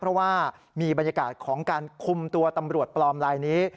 เพราะว่ามีบรรยากาศของการคุมตัวตำรวจปลอมลายนี้